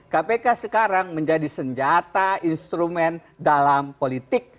kpk sekarang menjadi senjata instrumen dalam politik